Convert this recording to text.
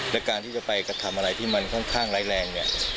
และการที่จะไปกระทำอะไรที่มันค่อนข้างร้ายแรงเนี่ย